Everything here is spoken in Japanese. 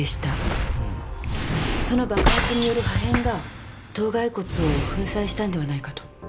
その爆発による破片が頭蓋骨を粉砕したんではないかと。